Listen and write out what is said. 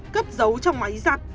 cấp dấu trong máy giặt